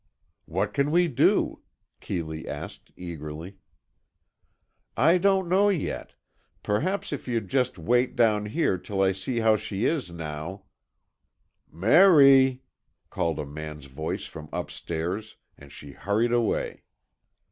"What can we do?" Keeley asked, eagerly. "I don't know yet—perhaps if you'd just wait down here, till I see how she is now——" "Merry," called a man's voice from upstairs, and she hurried away.